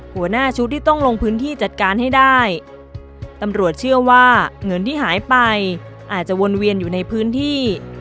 หัวหน้าชุดที่ต้องลงพื้นที่จัดการให้ได้ตำรวจเชื่อว่าเงินที่หายไปอาจจะวนเวียนอยู่ในพื้นที่